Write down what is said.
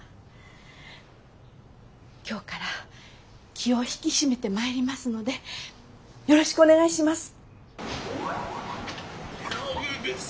今日から気を引き締めてまいりますのでよろしくお願いします。